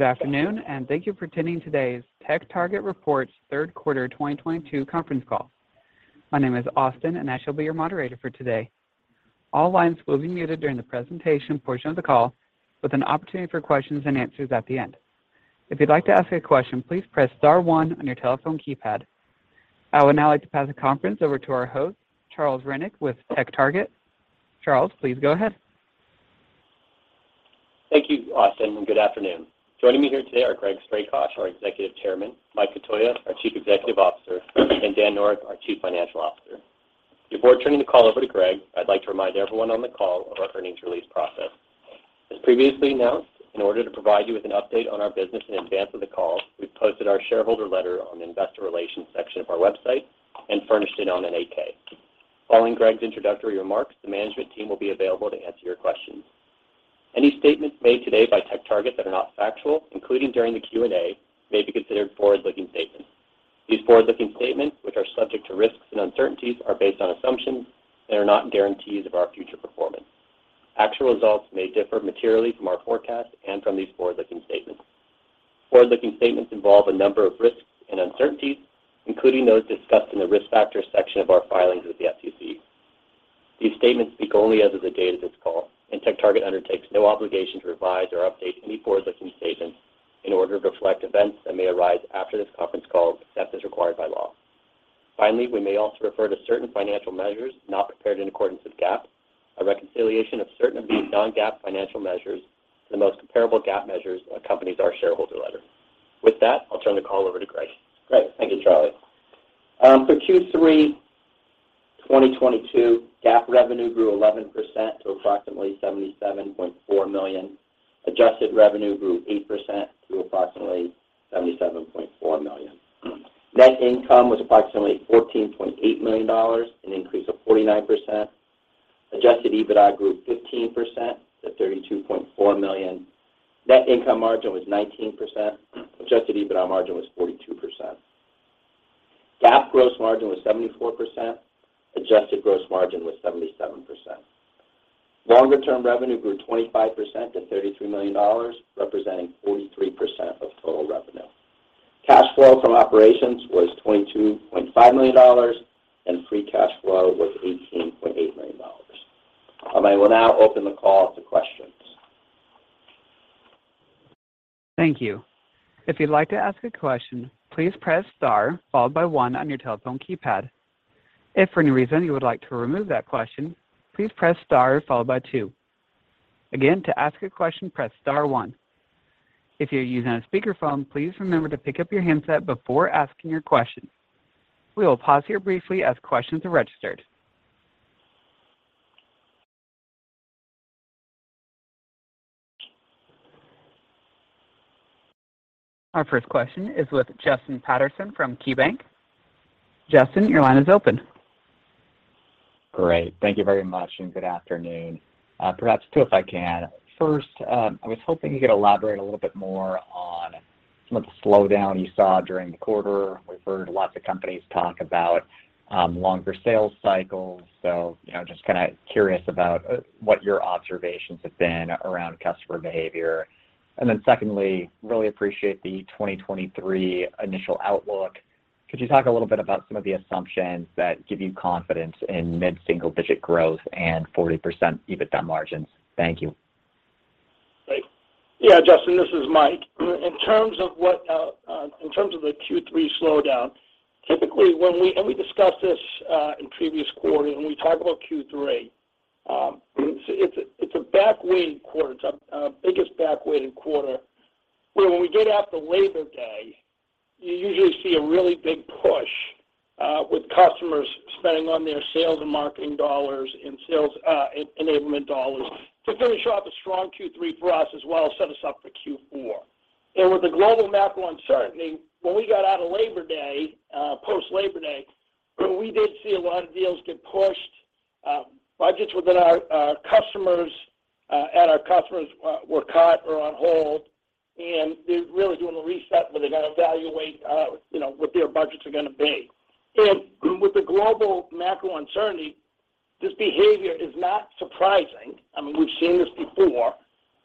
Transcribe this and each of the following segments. Good afternoon, and thank you for attending today's TechTarget reports third quarter 2022 conference call. My name is Austin, and I shall be your moderator for today. All lines will be muted during the presentation portion of the call with an opportunity for questions and answers at the end. If you'd like to ask a question, please press star one on your telephone keypad. I would now like to pass the conference over to our host, Charles Rennick with TechTarget. Charles, please go ahead. Thank you, Austin, and good afternoon. Joining me here today are Greg Strakosch, our Executive Chairman, Mike Cotoia, our Chief Executive Officer, and Dan Noreck, our Chief Financial Officer. Before turning the call over to Greg, I'd like to remind everyone on the call of our earnings release process. As previously announced, in order to provide you with an update on our business in advance of the call, we've posted our shareholder letter on the Investor Relations section of our website and furnished it on an 8-K. Following Greg's introductory remarks, the management team will be available to answer your questions. Any statements made today by TechTarget that are not factual, including during the Q&A, may be considered forward-looking statements. These forward-looking statements, which are subject to risks and uncertainties, are based on assumptions that are not guarantees of our future performance. Actual results may differ materially from our forecasts and from these forward-looking statements. Forward-looking statements involve a number of risks and uncertainties, including those discussed in the Risk Factors section of our filings with the SEC. These statements speak only as of the date of this call, and TechTarget undertakes no obligation to revise or update any forward-looking statements in order to reflect events that may arise after this conference call except as required by law. Finally, we may also refer to certain financial measures not prepared in accordance with GAAP. A reconciliation of certain of these non-GAAP financial measures to the most comparable GAAP measures accompanies our shareholder letter. With that, I'll turn the call over to Greg. Great. Thank you, Charles. For Q3 2022, GAAP revenue grew 11% to approximately $77.4 million. Adjusted revenue grew 8% to approximately $77.4 million. Net income was approximately $14.8 million, an increase of 49%. Adjusted EBITDA grew 15% to $32.4 million. Net income margin was 19%. Adjusted EBITDA margin was 42%. GAAP gross margin was 74%. Adjusted gross margin was 77%. Longer-term revenue grew 25% to $33 million, representing 43% of total revenue. Cash flow from operations was $22.5 million, and free cash flow was $18.8 million. I will now open the call to questions. Thank you. If you'd like to ask a question, please press star followed by one on your telephone keypad. If for any reason you would like to remove that question, please press star followed by two. Again, to ask a question, press star one. If you're using a speakerphone, please remember to pick up your handset before asking your question. We will pause here briefly as questions are registered. Our first question is with Justin Patterson from KeyBanc Capital Markets. Justin, your line is open. Great. Thank you very much, and good afternoon. Perhaps two, if I can. First, I was hoping you could elaborate a little bit more on some of the slowdown you saw during the quarter. We've heard lots of companies talk about longer sales cycles. So, you know, just kinda curious about what your observations have been around customer behavior. Secondly, really appreciate the 2023 initial outlook. Could you talk a little bit about some of the assumptions that give you confidence in mid single-digit growth and 40% EBITDA margins? Thank you. Great. Yeah, Justin, this is Mike. In terms of the Q3 slowdown, typically when we discussed this in previous quarters, when we talk about Q3, it's a back-weighted quarter. It's our biggest back-weighted quarter, where when we get out to Labor Day, you usually see a really big push with customers spending on their sales and marketing dollars and sales enablement dollars to finish off a strong Q3 for us as well as set us up for Q4. With the global macro uncertainty, when we got out of Labor Day, post-Labor Day, we did see a lot of deals get pushed. Budgets at our customers were cut or on hold, and they're really doing a reset where they're gonna evaluate, you know, what their budgets are gonna be. With the global macro uncertainty, this behavior is not surprising. I mean, we've seen this before,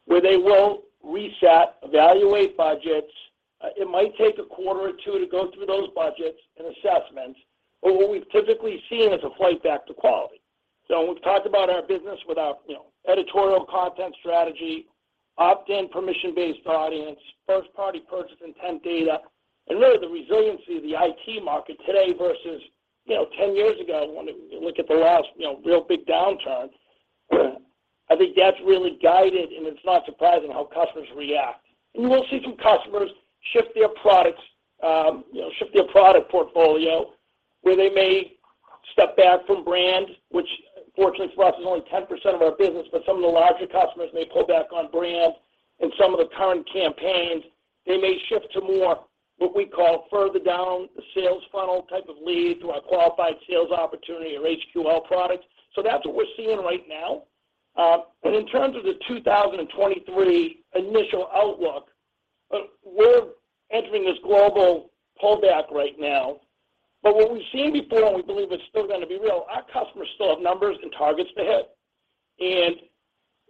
where they will reset, evaluate budgets. It might take a quarter or two to go through those budgets and assessments, but what we've typically seen is a flight back to quality. When we've talked about our business with our, you know, editorial content strategy, opt-in permission-based audience, first-party purchase intent data, and really the resiliency of the IT market today versus, you know, 10 years ago, when you look at the last, you know, real big downturn, I think that's really guided, and it's not surprising how customers react. We'll see some customers shift their products, you know, shift their product portfolio, where they may step back from brand, which fortunately for us is only 10% of our business, but some of the larger customers may pull back on brand. In some of the current campaigns, they may shift to more what we call further down the sales funnel type of lead to our qualified sales opportunity or HQL products. That's what we're seeing right now. In terms of the 2023 initial outlook, we're entering this global pullback right now. What we've seen before, and we believe it's still gonna be real, our customers still have numbers and targets to hit.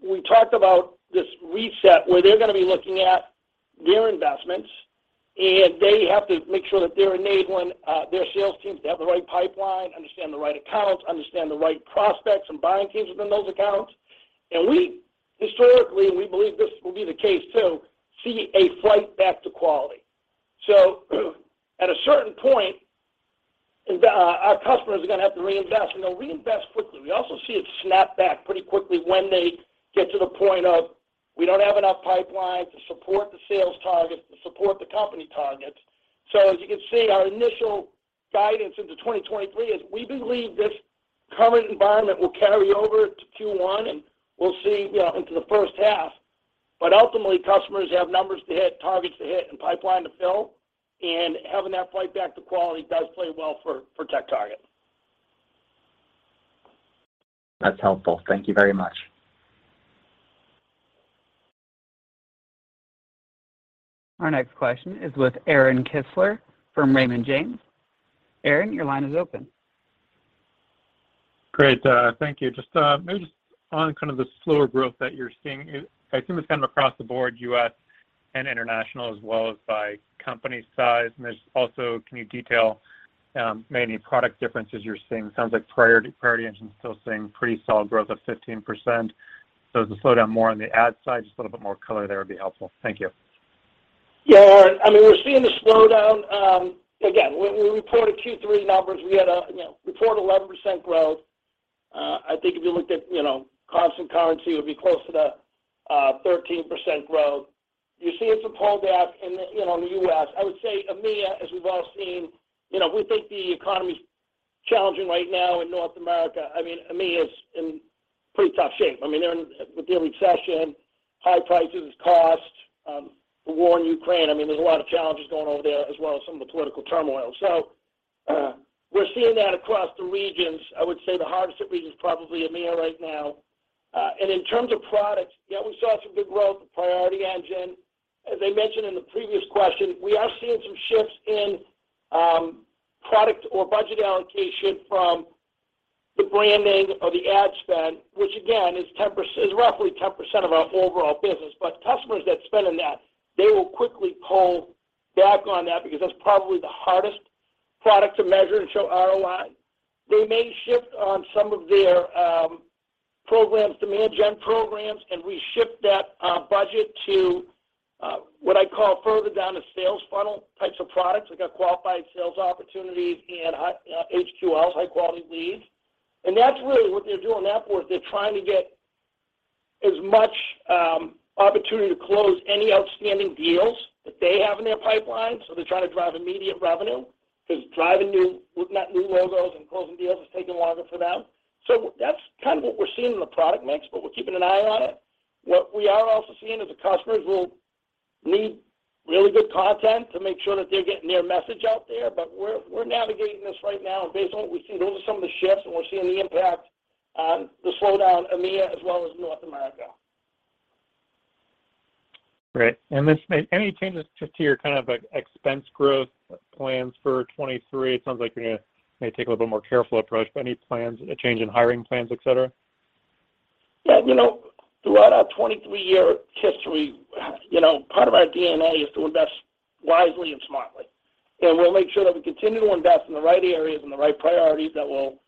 We talked about this reset where they're gonna be looking at their investments, and they have to make sure that they're enabling their sales teams to have the right pipeline, understand the right accounts, understand the right prospects and buying teams within those accounts. We historically, and we believe this will be the case too, see a flight back to quality. At a certain point, and our customers are gonna have to reinvest, and they'll reinvest quickly. We also see it snap back pretty quickly when they get to the point of, "We don't have enough pipeline to support the sales targets, to support the company targets." As you can see, our initial guidance into 2023 is we believe this current environment will carry over to Q1, and we'll see, you know, into the first half. Ultimately, customers have numbers to hit, targets to hit, and pipeline to fill, and having that flight back to quality does play well for TechTarget. That's helpful. Thank you very much. Our next question is with Aaron Kessler from Raymond James. Aaron, your line is open. Great. Thank you. Just, maybe just on kind of the slower growth that you're seeing, I assume it's kind of across the board, U.S. and international as well as by company size. There's also, can you detail, maybe any product differences you're seeing? Sounds like Priority Engine is still seeing pretty solid growth of 15%. Is the slowdown more on the ad side? Just a little bit more color there would be helpful. Thank you. Yeah. I mean, we're seeing the slowdown. Again, when we reported Q3 numbers, we had a, you know, reported 11% growth. I think if you looked at, you know, constant currency, it would be close to the 13% growth. You're seeing some pullback in the, you know, in the U.S. I would say EMEA, as we've all seen, you know, we think the economy's challenging right now in North America. I mean, EMEA is in pretty tough shape. I mean, they're with the recession, high prices, costs, the war in Ukraine. I mean, there's a lot of challenges going over there, as well as some of the political turmoil. We're seeing that across the regions. I would say the hardest hit region is probably EMEA right now. In terms of products, you know, we saw some good growth with Priority Engine. As I mentioned in the previous question, we are seeing some shifts in product or budget allocation from the branding or the ad spend, which again, is roughly 10% of our overall business. Customers that spend on that, they will quickly pull back on that because that's probably the hardest product to measure and show ROI. They may shift on some of their programs, demand gen programs, and reshift that budget to what I call further down the sales funnel types of products. We've got qualified sales opportunities and HQLs, high-quality leads. That's really what they're doing there for is they're trying to get as much opportunity to close any outstanding deals that they have in their pipeline, so they're trying to drive immediate revenue. 'Cause looking at new logos and closing deals is taking longer for them. That's kind of what we're seeing in the product mix, but we're keeping an eye on it. What we are also seeing is the customers will need really good content to make sure that they're getting their message out there. We're navigating this right now, and based on what we see, those are some of the shifts, and we're seeing the impact on the slowdown, EMEA as well as North America. Great. Any changes to your kind of expense growth plans for 2023? It sounds like you're gonna maybe take a little bit more careful approach, but any plans, a change in hiring plans, et cetera? Yeah. You know, throughout our 23-year history, you know, part of our DNA is to invest wisely and smartly, and we'll make sure that we continue to invest in the right areas and the right priorities that will,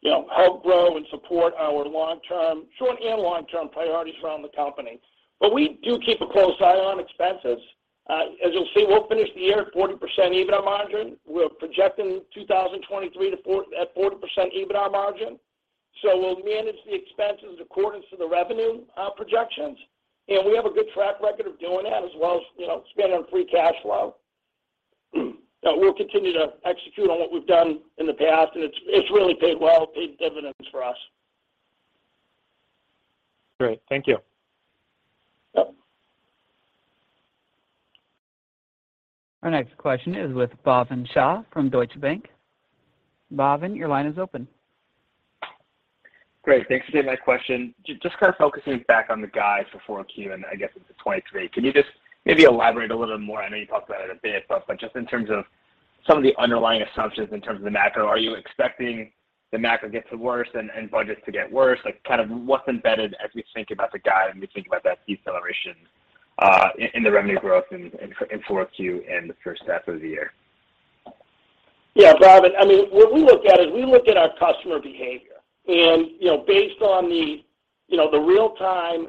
you know, help grow and support our long-term, short and long-term priorities around the company. We do keep a close eye on expenses. As you'll see, we'll finish the year at 40% EBITDA margin. We're projecting 2023 to 2024 at 40% EBITDA margin. We'll manage the expenses in accordance to the revenue projections. We have a good track record of doing that as well as, you know, spending on free cash flow. We'll continue to execute on what we've done in the past, and it's really paid well, paid dividends for us. Great. Thank you. Our next question is with Bhavin Shah from Deutsche Bank. Bhavin, your line is open. Great. Thanks for taking my question. Just kind of focusing back on the guide for 4Q and I guess into 2023, can you just maybe elaborate a little bit more? I know you talked about it a bit, but just in terms of some of the underlying assumptions in terms of the macro. Are you expecting the macro to get worse and budgets to get worse? Like, kind of what's embedded as we think about the guide and we think about that deceleration in the revenue growth in 4Q and the first half of the year? Yeah. Bhavin, I mean, what we look at is we look at our customer behavior. You know, based on the, you know, the real-time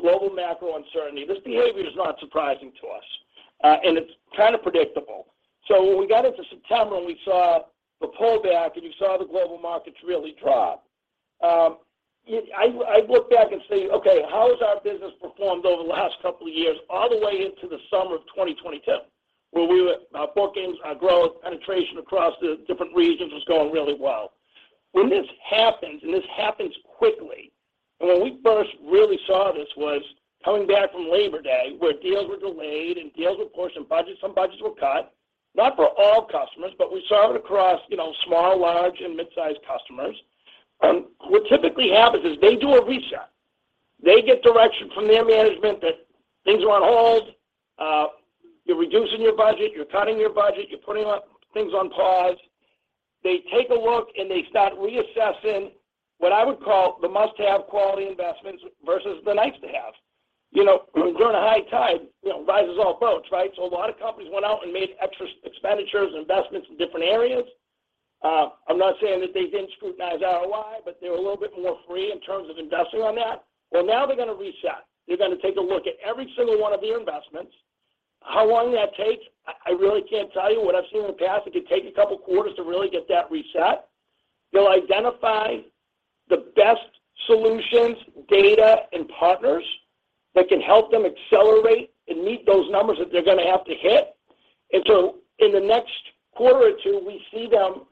global macro uncertainty, this behavior is not surprising to us, and it's kind of predictable. When we got into September and we saw the pullback, and we saw the global markets really drop, I look back and say, "Okay. How has our business performed over the last couple of years all the way into the summer of 2022, where we were outperforming our growth, penetration across the different regions was going really well?" When this happens, and this happens quickly, and when we first really saw this was coming back from Labor Day, where deals were delayed and deals were pushed and budgets, some budgets were cut. Not for all customers, but we saw it across, you know, small, large, and mid-sized customers. What typically happens is they do a reset. They get direction from their management that things are on hold. Reducing your budget, you're cutting your budget, you're putting things on pause. They take a look, and they start reassessing what I would call the must-have quality investments versus the nice-to-haves. You know, during a high tide, you know, rises all boats, right? So a lot of companies went out and made extra expenditures, investments in different areas. I'm not saying that they didn't scrutinize ROI, but they were a little bit more free in terms of investing on that. Well, now they're gonna reset. They're gonna take a look at every single one of their investments. How long that takes, I really can't tell you. What I've seen in the past, it could take a couple quarters to really get that reset. They'll identify the best solutions, data, and partners that can help them accelerate and meet those numbers that they're gonna have to hit. In the next quarter or two, we see them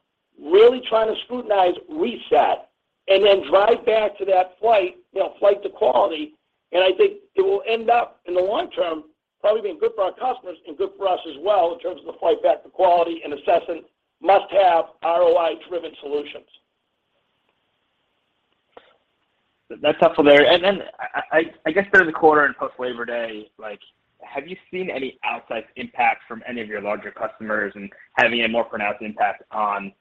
really trying to scrutinize, reset, and then drive back to that flight, you know, flight to quality. I think it will end up, in the long term, probably being good for our customers and good for us as well in terms of the flight back to quality and assessing must-have ROI-driven solutions. That's helpful there. I guess third of the quarter and post Labor Day, like, have you seen any outside impact from any of your larger customers and having a more pronounced impact on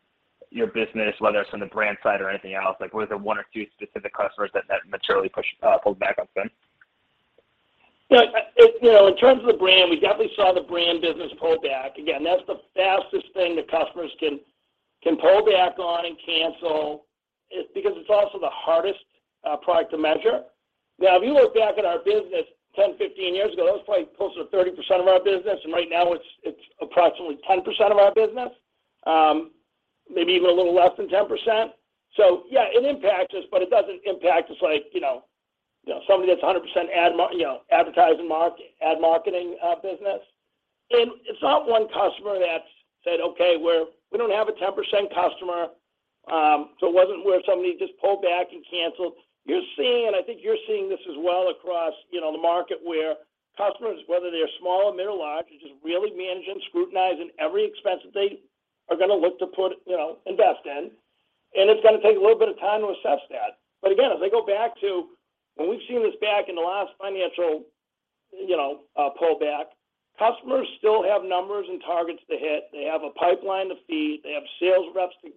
your business, whether it's on the brand side or anything else? Like, were there one or two specific customers that materially pulled back on spend? Yeah, you know, in terms of the brand, we definitely saw the brand business pull back. Again, that's the fastest thing that customers can pull back on and cancel. It's because it's also the hardest product to measure. Now, if you look back at our business 10, 15 years ago, it was probably closer to 30% of our business, and right now it's approximately 10% of our business. Maybe even a little less than 10%. Yeah, it impacts us, but it doesn't impact us like, you know, somebody that's 100% advertising marketing business. It's not one customer that's said, "Okay, we're." We don't have a 10% customer, so it wasn't where somebody just pulled back and canceled. You're seeing, and I think you're seeing this as well across, you know, the market, where customers, whether they're small or middle or large, are just really managing, scrutinizing every expense that they are gonna look to put, you know, invest in. It's gonna take a little bit of time to assess that. Again, as I go back to when we've seen this back in the last financial, you know, pullback, customers still have numbers and targets to hit. They have a pipeline to feed. They have sales reps to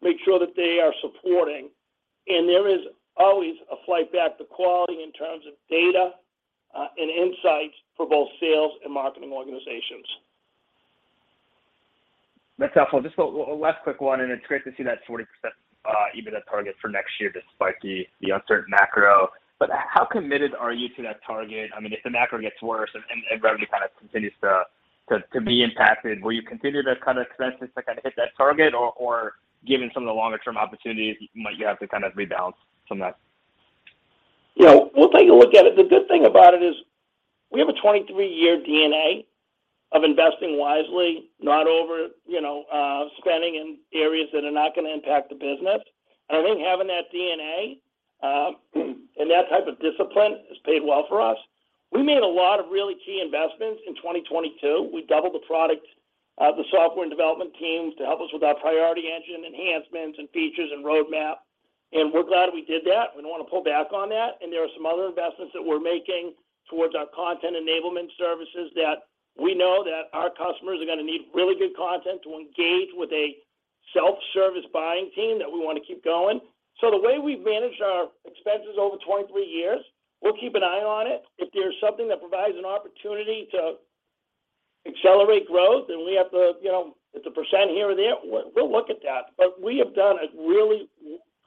make sure that they are supporting. There is always a flight back to quality in terms of data, and insights for both sales and marketing organizations. That's helpful. Just a last quick one, and it's great to see that 40% EBITDA target for next year despite the uncertain macro. How committed are you to that target? I mean, if the macro gets worse and revenue kind of continues to be impacted, will you continue those kind of expenses to kind of hit that target? Or given some of the longer term opportunities, might you have to kind of rebalance from that? You know, we'll take a look at it. The good thing about it is we have a 23-year DNA of investing wisely, not over, you know, spending in areas that are not gonna impact the business. I think having that DNA and that type of discipline has paid well for us. We made a lot of really key investments in 2022. We doubled the product, the software and development teams to help us with our Priority Engine enhancements and features and roadmap. We're glad we did that. We don't wanna pull back on that. There are some other investments that we're making towards our content enablement services that we know that our customers are gonna need really good content to engage with a self-service buying team that we wanna keep going. The way we've managed our expenses over 23 years, we'll keep an eye on it. If there's something that provides an opportunity to accelerate growth, then we have to, you know, if the % here or there, we'll look at that. We have done a really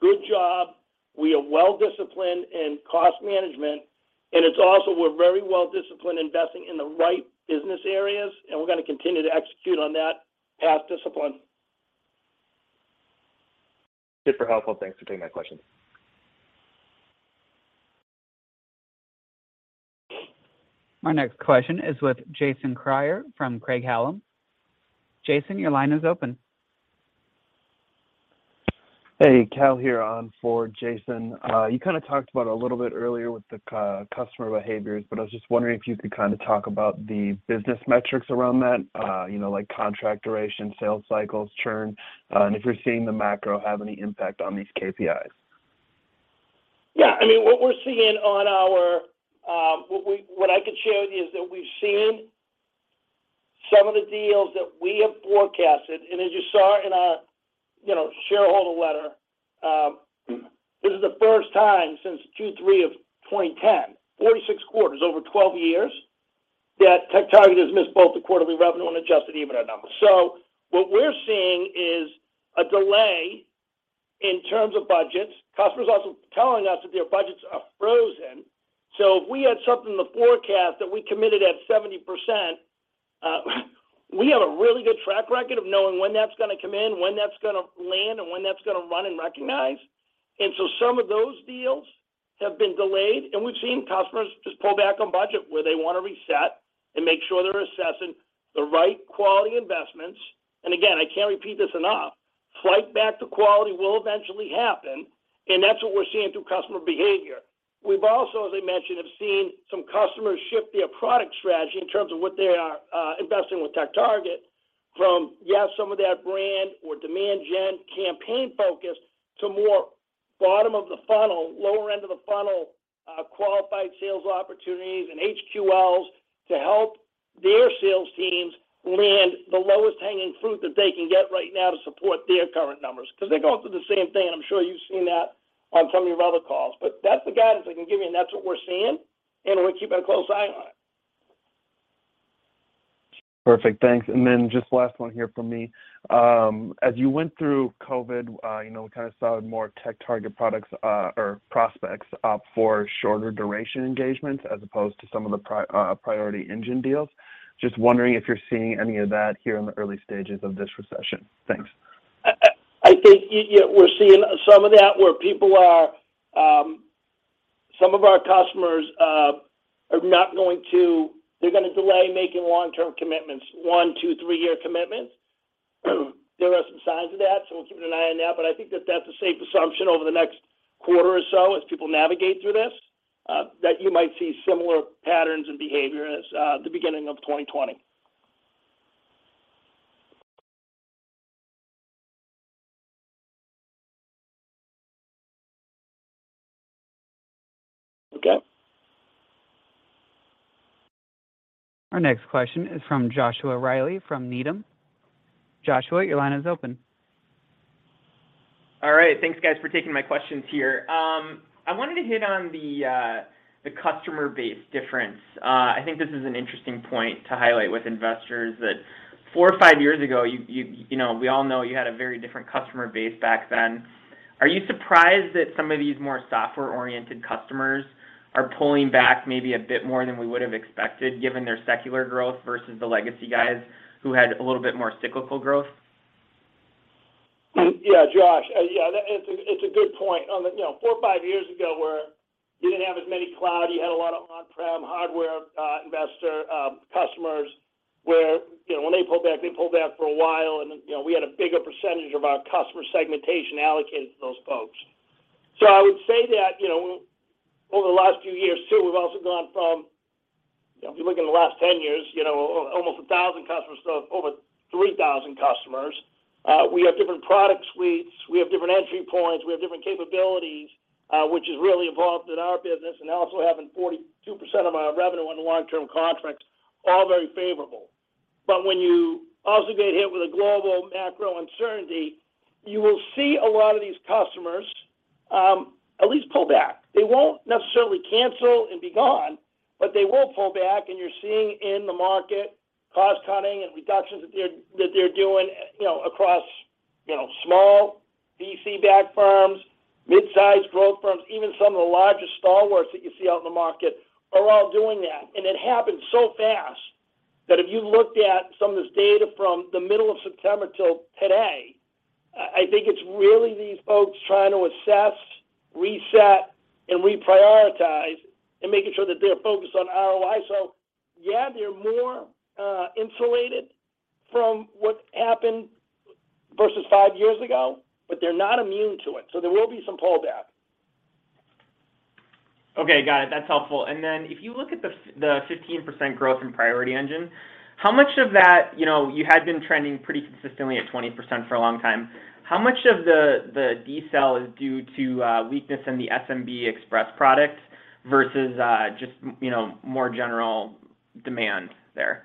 good job. We are well-disciplined in cost management, and it's also we're very well-disciplined investing in the right business areas, and we're gonna continue to execute on that path discipline. Super helpful. Thanks for taking that question. Our next question is with Jason Kreyer from Craig-Hallum. Jason, your line is open. Hey, Cal here on for Jason. You kinda talked about a little bit earlier with the customer behaviors, but I was just wondering if you could kinda talk about the business metrics around that. You know, like contract duration, sales cycles, churn, and if you're seeing the macro have any impact on these KPIs. Yeah, I mean, what I can share with you is that we've seen some of the deals that we have forecasted, and as you saw in our, you know, shareholder letter, this is the first time since Q3 of 2010, 46 quarters, over 12 years, that TechTarget has missed both the quarterly revenue and adjusted EBITDA numbers. What we're seeing is a delay in terms of budgets. Customers are also telling us that their budgets are frozen. If we had something in the forecast that we committed at 70%, we have a really good track record of knowing when that's gonna come in, when that's gonna land, and when that's gonna run and recognize. Some of those deals have been delayed, and we've seen customers just pull back on budget, where they wanna reset and make sure they're assessing the right quality investments. Again, I can't repeat this enough, flight to quality will eventually happen, and that's what we're seeing through customer behavior. We've also, as I mentioned, have seen some customers shift their product strategy in terms of what they are investing with TechTarget from, yes, some of that brand or demand gen campaign focus to more bottom of the funnel, lower end of the funnel qualified sales opportunities and HQLs to help their sales teams land the lowest hanging fruit that they can get right now to support their current numbers 'cause they're going through the same thing, and I'm sure you've seen that on some of your other calls. That's the guidance I can give you, and that's what we're seeing, and we're keeping a close eye on it. Perfect. Thanks. Just last one here from me. As you went through COVID, you know, we kind of saw more TechTarget products, or prospects up for shorter duration engagements as opposed to some of the Priority Engine deals. Just wondering if you're seeing any of that here in the early stages of this recession. Thanks. I think yeah, we're seeing some of that where people are. Some of our customers are gonna delay making long-term commitments, one, two, three-year commitments. There are some signs of that, so we're keeping an eye on that. I think that's a safe assumption over the next quarter or so as people navigate through this, that you might see similar patterns and behavior as the beginning of 2020. Okay. Our next question is from Joshua Reilly from Needham. Joshua, your line is open. All right. Thanks, guys, for taking my questions here. I wanted to hit on the customer base difference. I think this is an interesting point to highlight with investors that four or five years ago, you know, we all know you had a very different customer base back then. Are you surprised that some of these more software-oriented customers are pulling back maybe a bit more than we would have expected, given their secular growth versus the legacy guys who had a little bit more cyclical growth? Yeah, Josh. Yeah, that's a good point. On the, you know, four or five years ago, where you didn't have as many cloud, you had a lot of on-prem hardware enterprise customers where, you know, when they pulled back, they pulled back for a while, and, you know, we had a bigger percentage of our customer segmentation allocated to those folks. I would say that, you know, over the last few years, too, we've also gone from, you know, if you look in the last 10 years, you know, almost 1,000 customers to over 3,000 customers. We have different product suites. We have different entry points. We have different capabilities, which has really evolved in our business and also having 42% of our revenue on long-term contracts, all very favorable. When you also get hit with a global macro uncertainty, you will see a lot of these customers at least pull back. They won't necessarily cancel and be gone, but they will pull back, and you're seeing in the market cost cutting and reductions that they're doing, you know, across, you know, small VC-backed firms, midsize growth firms, even some of the largest stalwarts that you see out in the market are all doing that. It happened so fast that if you looked at some of this data from the middle of September till today, I think it's really these folks trying to assess, reset, and reprioritize and making sure that they're focused on ROI. Yeah, they're more insulated from what's happened versus five years ago, but they're not immune to it, so there will be some pullback. Okay. Got it. That's helpful. Then if you look at the 15% growth in Priority Engine, how much of that, you know, you had been trending pretty consistently at 20% for a long time. How much of the decel is due to weakness in the SMB Express product versus just, you know, more general demand there?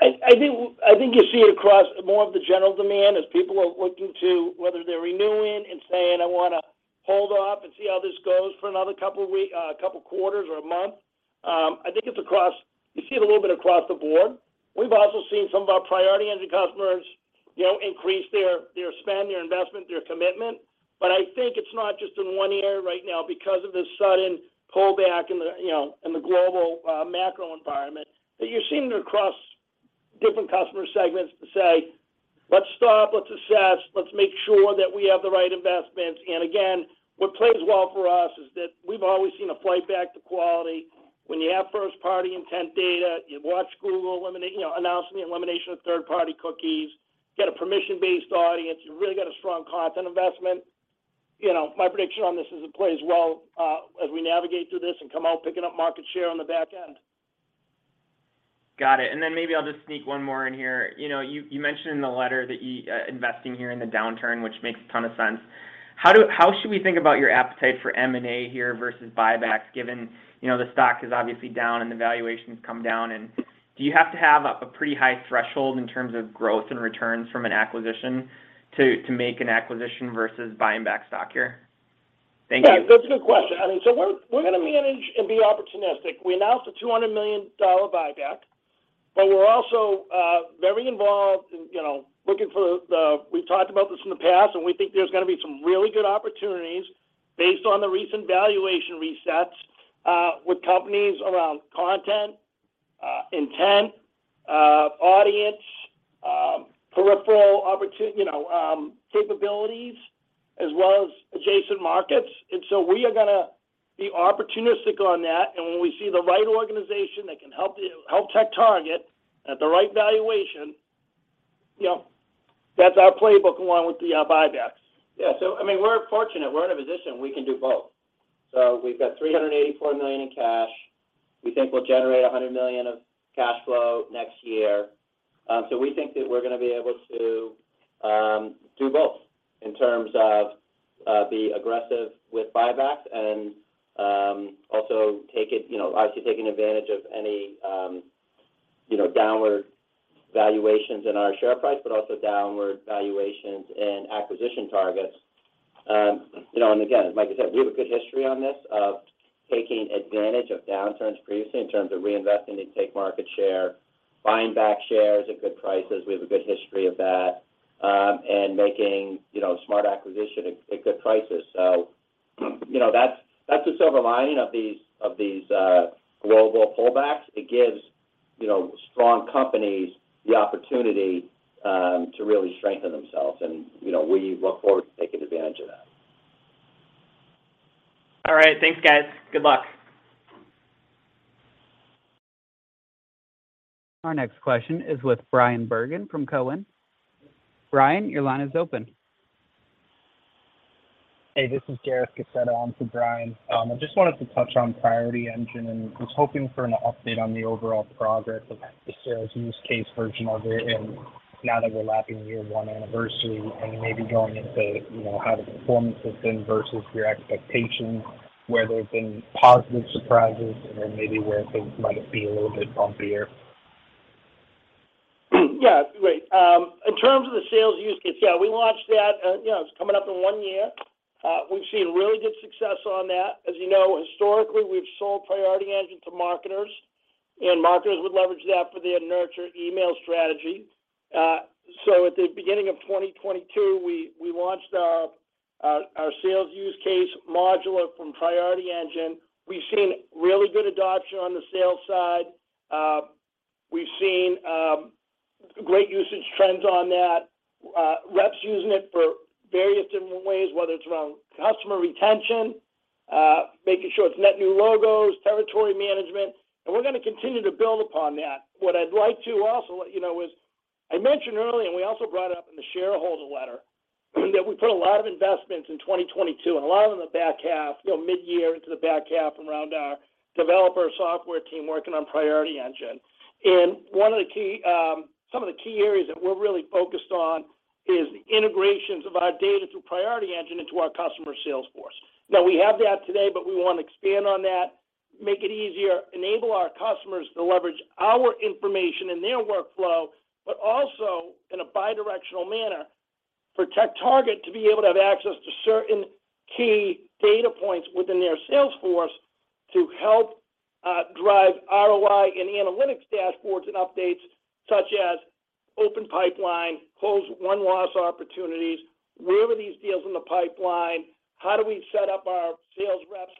I think you see it across more of the general demand as people are looking to, whether they're renewing and saying, "I wanna hold off and see how this goes for another couple quarters or a month." I think it's across. You see it a little bit across the board. We've also seen some of our Priority Engine customers, you know, increase their spend, their investment, their commitment. But I think it's not just in one area right now because of this sudden pullback in the, you know, in the global, macro environment, that you're seeing it across different customer segments to say, "Let's stop. Let's assess. Let's make sure that we have the right investments." What plays well for us is that we've always seen a flight back to quality. When you have first-party intent data, you watch Google eliminate, you know, announcing the elimination of third-party cookies, get a permission-based audience, you really got a strong content investment. You know, my prediction on this is it plays well, as we navigate through this and come out picking up market share on the back end. Got it. Maybe I'll just sneak one more in here. You know, you mentioned in the letter that investing here in the downturn, which makes a ton of sense. How should we think about your appetite for M&A here versus buybacks given, you know, the stock is obviously down and the valuation's come down and do you have to have a pretty high threshold in terms of growth and returns from an acquisition to make an acquisition versus buying back stock here? Thank you. Yeah, that's a good question. I mean, so we're gonna manage and be opportunistic. We announced a $200 million buyback, but we're also very involved in looking for the. We've talked about this in the past, and we think there's gonna be some really good opportunities based on the recent valuation resets with companies around content, intent, audience, peripheral capabilities as well as adjacent markets. We are gonna be opportunistic on that. When we see the right organization that can help TechTarget at the right valuation, that's our playbook along with the buybacks. Yeah, I mean, we're fortunate. We're in a position we can do both. We've got $384 million in cash. We think we'll generate $100 million of cash flow next year. We think that we're gonna be able to do both in terms of be aggressive with buybacks and also you know obviously taking advantage of any you know downward valuations in our share price, but also downward valuations in acquisition targets. You know, and again, like I said, we have a good history on this of taking advantage of downturns previously in terms of reinvesting to take market share, buying back shares at good prices. We have a good history of that and making you know smart acquisitions at good prices. You know, that's the silver lining of these global pullbacks. It gives you know strong companies the opportunity to really strengthen themselves, and you know we look forward to taking advantage of that. All right. Thanks, guys. Good luck. Our next question is with Brian Bergen from Cowen. Brian, your line is open. Hey, this is Gareth Gasset on for Brian. I just wanted to touch on Priority Engine, and I was hoping for an update on the overall progress of the sales use case version of it, and now that we're lapping year one anniversary and maybe going into, you know, how the performance has been versus your expectations, where there have been positive surprises, and then maybe where things might be a little bit bumpier. Yeah. Great. In terms of the sales use case, yeah, we launched that, you know, it's coming up in one year. We've seen really good success on that. As you know, historically, we've sold Priority Engine to marketers, and marketers would leverage that for their nurture email strategy. So at the beginning of 2022, we launched our sales use case module from Priority Engine. We've seen really good adoption on the sales side. We've seen great usage trends on that. Reps using it for various different ways, whether it's around customer retention, making sure it's net new logos, territory management, and we're gonna continue to build upon that. What I'd like to also let you know is I mentioned earlier, and we also brought up in the shareholder letter, that we put a lot of investments in 2022 and a lot of them in the back half, you know, midyear into the back half around our developer software team working on Priority Engine. One of the key, some of the key areas that we're really focused on is the integrations of our data through Priority Engine into our customers' Salesforce. Now, we have that today, but we wanna expand on that, make it easier, enable our customers to leverage our information in their workflow, but also in a bidirectional manner for TechTarget to be able to have access to certain key data points within their Salesforce to help drive ROI and analytics dashboards and updates such as open pipeline, closed win-loss opportunities. Where are these deals in the pipeline? How do we set up our sales reps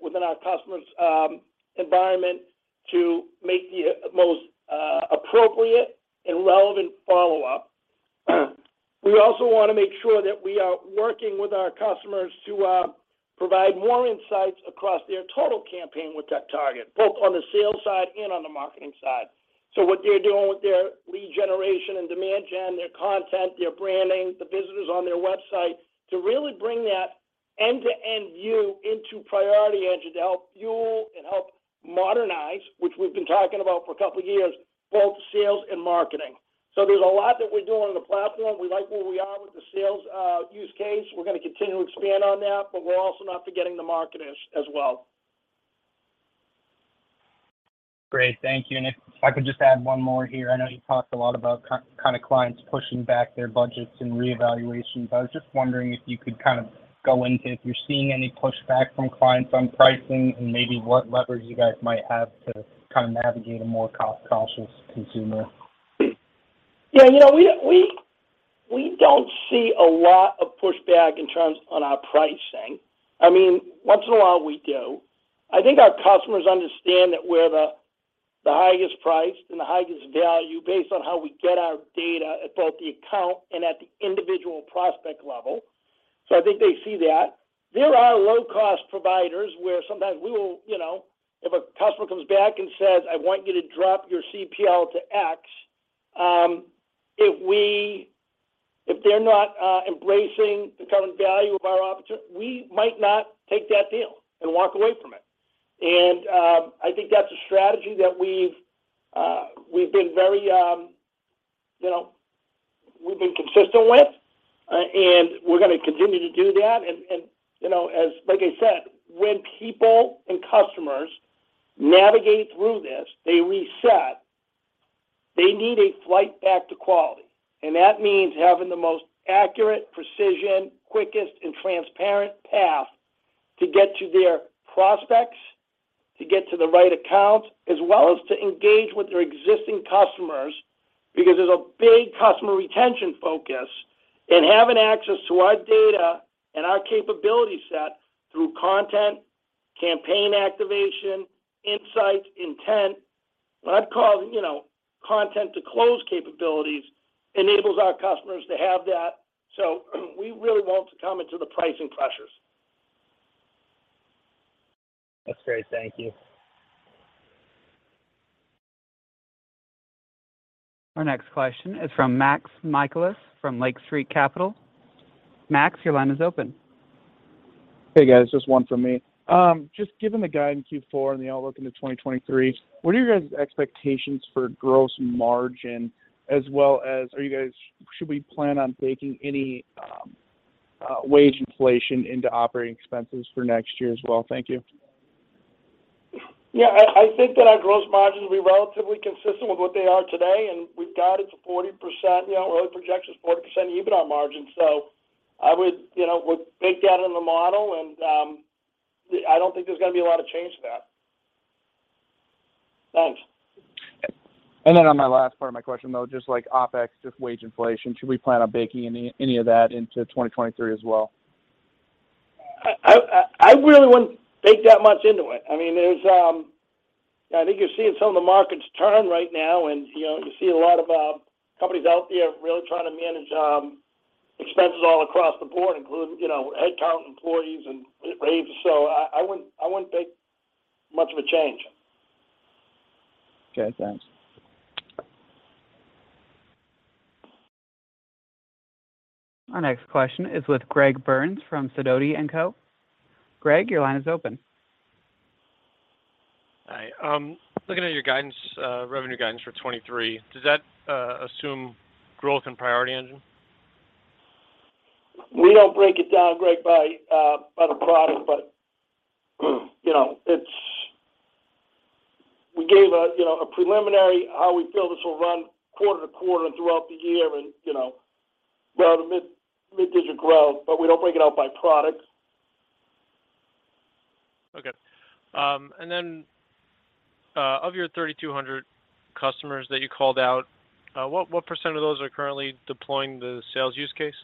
within our customer's environment to make the most appropriate and relevant follow-up? We also wanna make sure that we are working with our customers to provide more insights across their total campaign with TechTarget, both on the sales side and on the marketing side. What they're doing with their lead generation and demand gen, their content, their branding, the visitors on their website to really bring that end-to-end view into Priority Engine to help fuel and help modernize, which we've been talking about for a couple of years, both sales and marketing. There's a lot that we're doing on the platform. We like where we are with the sales use case. We're gonna continue to expand on that, but we're also not forgetting the marketers as well. Great. Thank you. If I could just add one more here. I know you talked a lot about kind of clients pushing back their budgets and reevaluations, but I was just wondering if you could kind of go into if you're seeing any pushback from clients on pricing and maybe what leverage you guys might have to kind of navigate a more cost-conscious consumer? Yeah. You know, we don't see a lot of pushback in terms of our pricing. I mean, once in a while we do. I think our customers understand that we're the highest priced and the highest value based on how we get our data at both the account and at the individual prospect level. So I think they see that. There are low-cost providers where sometimes we will. You know, if a customer comes back and says, "I want you to drop your CPL to X," if they're not embracing the current value of our opportunity, we might not take that deal and walk away from it. I think that's a strategy that we've been very consistent with, and we're gonna continue to do that. You know, as like I said, when people and customers navigate through this, they reset. They need a flight back to quality, and that means having the most accurate, precision, quickest, and transparent path to get to their prospects, to get to the right accounts, as well as to engage with their existing customers because there's a big customer retention focus. Having access to our data and our capability set through content, campaign activation, insights, intent, what I'd call, you know, content to close capabilities enables our customers to have that. We really won't succumb into the pricing pressures. That's great. Thank you. Our next question is from Max Michaelis from Lake Street Capital Markets. Max, your line is open. Hey, guys, just one from me. Just given the guidance in Q4 and the outlook into 2023, what are your guys' expectations for gross margin as well as, should we plan on baking any wage inflation into operating expenses for next year as well? Thank you. Yeah, I think that our gross margins will be relatively consistent with what they are today, and we've guided to 40%, you know, really projections 40% EBITDA margin. I would, you know, bake that in the model and, I don't think there's gonna be a lot of change to that. Thanks. On my last part of my question though, just like OpEx, just wage inflation, should we plan on baking any of that into 2023 as well? I really wouldn't bake that much into it. I mean, there's, I think you're seeing some of the markets turn right now and, you know, you see a lot of companies out there really trying to manage expenses all across the board, including, you know, headcount, employees and raises. I wouldn't bake much of a change. Okay, thanks. Our next question is with Greg Burns from Sidoti & Company. Greg, your line is open. Hi. Looking at your guidance, revenue guidance for 2023, does that assume growth in Priority Engine? We don't break it down, Greg, by the product, but you know it's. We gave a you know a preliminary how we feel this will run quarter to quarter throughout the year and you know around a mid-digit growth, but we don't break it out by products. Of your 3,200 customers that you called out, what percent of those are currently deploying the sales use case?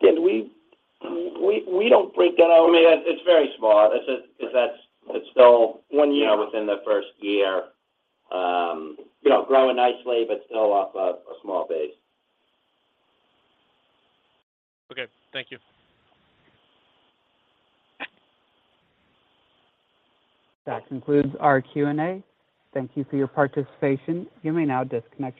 Yeah, we don't break that out. I mean, it's very small. It's just 'cause that's, it's still- One year. You know, within the first year. You know, growing nicely but still off a small base. Okay, thank you. That concludes our Q&A. Thank you for your participation. You may now disconnect your lines.